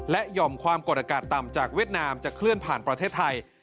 หย่อมความกดอากาศต่ำจากเวียดนามจะเคลื่อนผ่านประเทศไทย